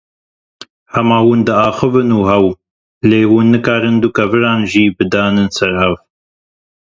Hema hûn diaxivin û hew lê hûn nikarin du keviran jî bidin ser hev.